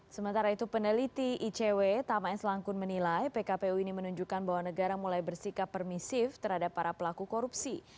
sementara itu peneliti icw tama s langkun menilai pkpu ini menunjukkan bahwa negara mulai bersikap permisif terhadap para pelaku korupsi